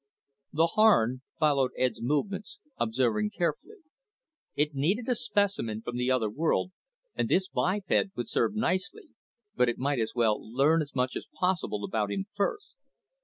_The Harn followed Ed's movements, observing carefully. It needed a specimen from the other world, and this biped would serve nicely, but it might as well learn as much as possible about him first.